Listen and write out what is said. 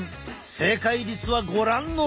正解率はご覧のとおり。